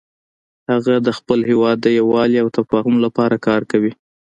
هغه د خپل هیواد د یووالي او تفاهم لپاره کار کوي